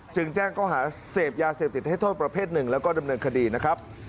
จึงแจ้งเขาหาเสพยาเสพติดให้โทษประเภทหนึ่งแล้วก็ดำเนินคดีนะครับ